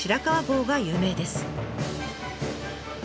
郷が有名です。